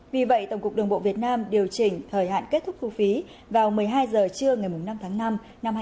vì vậy tổng cục đường bộ việt nam điều chỉnh thời hạn kết thúc thu phí vào một mươi hai h trưa ngày năm tháng năm năm hai nghìn hai mươi bốn